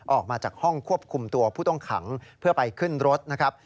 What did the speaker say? ออกมาจากห้องควบคุมตัวผู้ต้องขังเพื่อไปขึ้นรถนะครับ